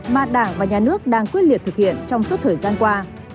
mà đảng và nhà nước đang quyết liệt thực hiện trong suốt thời gian qua